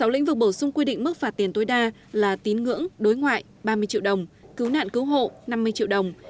sáu lĩnh vực bổ sung quy định mức phạt tiền tối đa là tín ngưỡng đối ngoại ba mươi triệu đồng cứu nạn cứu hộ năm mươi triệu đồng